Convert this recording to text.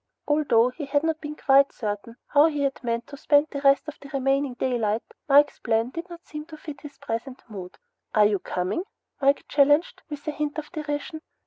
Although he had not been quite certain how he had meant to spend the rest of the remaining daylight, Mike's plan did not seem to fit his present mood. "Are you coming?" Mike challenged, with a hint of derision.